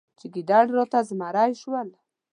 چې ګیدړ راته زمری شول.